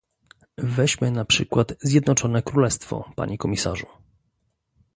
Weźmy na przykład Zjednoczone Królestwo, panie komisarzu